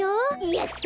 やった！